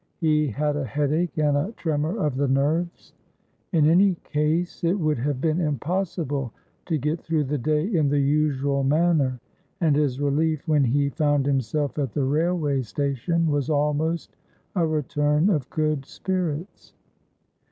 He had a headache, and a tremor of the nerves. In any case, it would have been impossible to get through the day in the usual manner, and his relief when he found himself at the railway station was almost a return of good spirits.